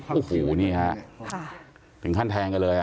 อู้หูนี่ค่ะถึงขั้นแทงกันเลย